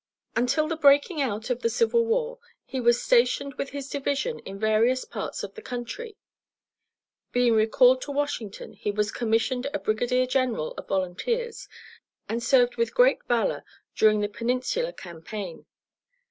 Until the breaking out of the civil war he was stationed with his division in various parts of the country. Being recalled to Washington, he was commissioned a brigadier general of volunteers, and served with great valor during the Peninsula campaign.